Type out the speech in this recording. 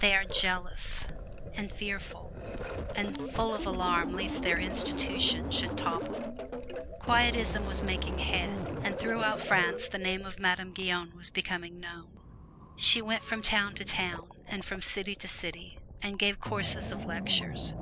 They are jealous, and fearful, and full of alarm lest their "institution" shall topple. Quietism was making head, and throughout France the name of Madame Guyon was becoming known. She went from town to town, and from city to city, and gave courses of lectures.